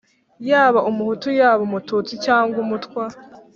yaba Umuhutu, yaba Umututsi cyangwa Umutwa